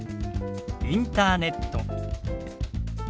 「インターネット」。